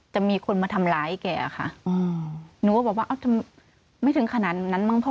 จะมีคนมาทำร้ายแกค่ะ